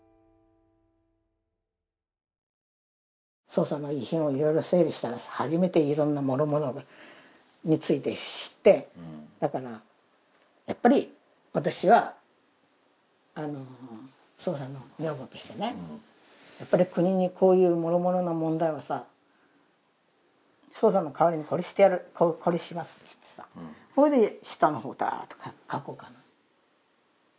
荘さんの遺品をいろいろ整理したらさ初めていろんなもろもろについて知ってだからやっぱり私は荘さんの女房としてねやっぱり国にこういうもろもろの問題をさ荘さんの代わりにこれしてやるこれしますっていってさこれで下のほうダーッと書こうかな。